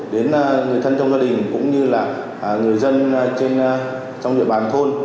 đến người thân trong gia đình cũng như là người dân trong địa bàn thôn